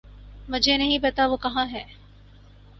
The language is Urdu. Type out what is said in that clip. مجھے نہیں پتا وہ کہاں ہے